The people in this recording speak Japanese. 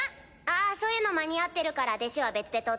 あそういうの間に合ってるから弟子は別で取ってね。